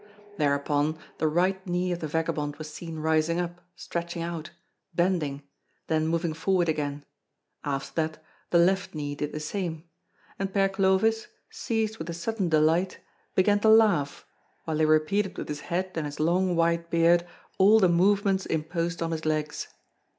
Thereupon, the right knee of the vagabond was seen rising up, stretching out, bending, then moving forward again; after that, the left knee did the same; and Père Clovis, seized with a sudden delight, began to laugh, while he repeated with his head and his long, white beard all the movements imposed on his legs.